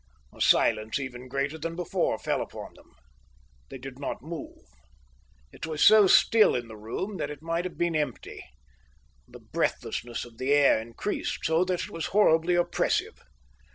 A silence even greater than before fell upon them. They did not move. It was so still in the room that it might have been empty. The breathlessness of the air increased, so that it was horribly oppressive.